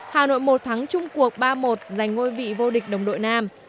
hà nội một thắng chung cuộc ba một giành ngôi vị vô địch đồng đội nam